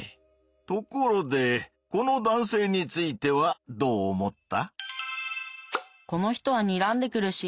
ところでこの男性についてはどう思った？